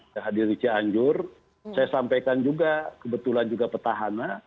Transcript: saya hadir di cianjur saya sampaikan juga kebetulan juga petahana